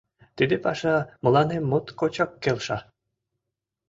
Тиде паша мыланем моткочак келша.